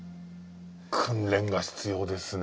訓練が必要ですね。